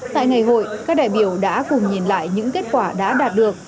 tại ngày hội các đại biểu đã cùng nhìn lại những kết quả đã đạt được